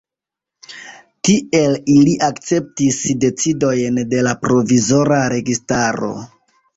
Tiel ili akceptis decidojn de la provizora registaro.